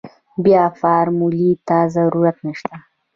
بيا فارمولې ته ضرورت نشته.